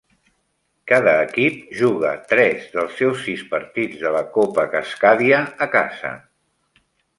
Cada equip juga tres dels seus sis partits de la Copa Cascadia a casa.